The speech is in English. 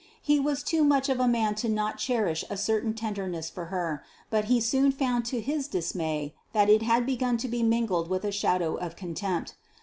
He was too much of a man not to cherish a certain tenderness for her, but he soon found to his dismay that it had begun to be mingled with a shadow of contempt.